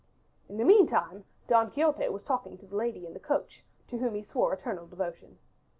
In the meantime Don Quixote was talking to the lady in the coach to whom he swore eternal devotion.